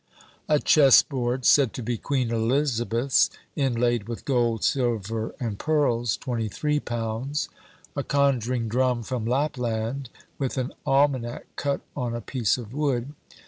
A chess board, said to be Queen Elizabeth's, inlaid with gold, silver, and pearls, £23. A conjuring drum from Lapland, with an almanac cut on a piece of wood.